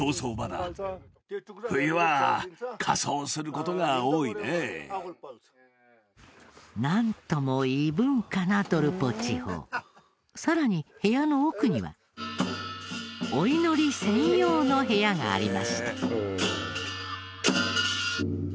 この集落ではなんとも異文化なドルポ地方さらに部屋の奥にはお祈り専用の部屋がありました